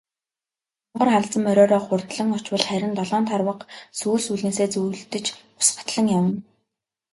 Хонгор халзан мориороо хурдлан очвол харин долоон тарвага сүүл сүүлнээсээ зүүлдэж ус гатлан явна.